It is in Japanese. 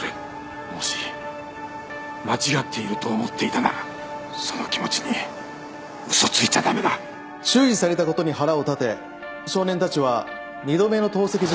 もし間違っていると思っていたならその気持ちに嘘ついちゃ駄目だ注意されたことに腹を立て少年たちは２度目の投石事件を起こした。